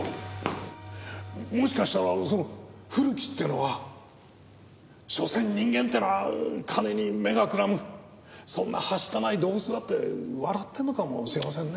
もしかしたらその古木っていうのはしょせん人間っていうのは金に目がくらむそんなはしたない動物だって笑ってるのかもしれませんね。